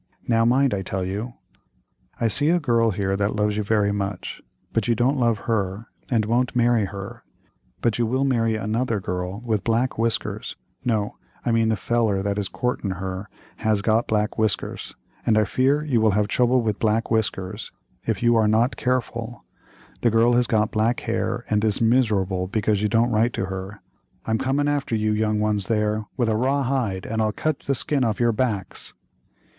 Now mind. I tell you. I see a girl here that loves you very much, but you don't love her and won't marry her, but you will marry another girl with black whiskers; no, I mean the feller that is coortin' her has got black whiskers, and I fear you will have trouble with black whiskers if you are not careful—the girl has got black hair and is miserable because you don't write to her. I'm coming after you, young ones there, with a raw hide and I'll cut the skin off your backs.